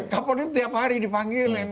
kapolri tiap hari dipanggilin